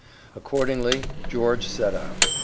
Accordingly George set out.